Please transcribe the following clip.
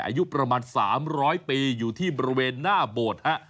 อายุประมาณ๓๐๐ปีอยู่ที่บริเวณหน้าโบสถ์ฮะ